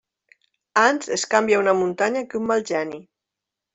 Ans es canvia una muntanya que un mal geni.